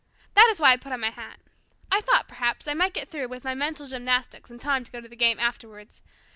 That is why I put on my hat. I thought, perhaps, I might get through with my mental gymnastics in time to go to the game afterwards.